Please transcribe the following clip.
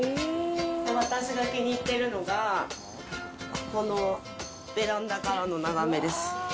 私が気に入っているのが、このベランダからの眺めです。